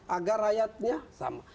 agar rakyatnya sama